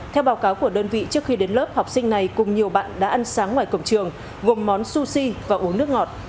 theo báo cáo của đơn vị trước khi đến lớp học sinh này cùng nhiều bạn đã ăn sáng ngoài cổng trường gồm món sushi và uống nước ngọt